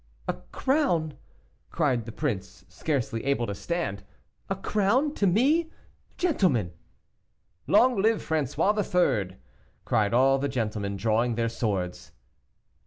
"A crown!" cried the prince, scarcely able to stand, "a crown to me, gentlemen?" "Long live François III.!" cried all the gentlemen, drawing their swords.